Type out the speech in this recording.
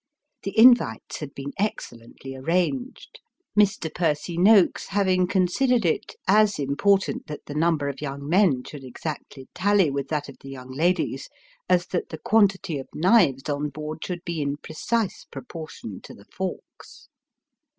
The invites had been excellently arranged : Mr. Percy Noakes having con sidered it as important that the number of young men should exactly tally with that of the young ladies, as that the quantity of knives on board should bo in precise proportion to the forks.